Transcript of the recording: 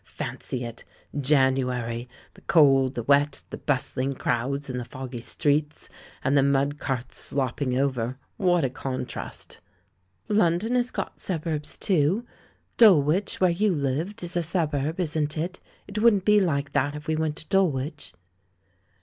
"Fancy it! Jan uary! The cold, the wet; the bustling crowds in the foggy streets, and the mud carts, slopping over. What a contrast!" "London has got suburbs, too. Dulwich, where you lived, is a suburb, isn't it ? It wouldn't be like that if we went to Dulwich?"